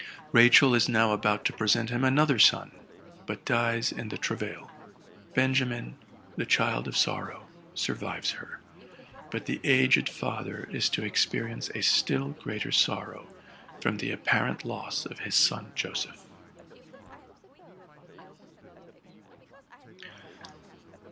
Rachel is now about to present him another son, but dies in the travail; Benjamin, the child of sorrow, sur vives her; but the aged father is to experience a still ereater sorrow from the apparent loss of his son Joseph.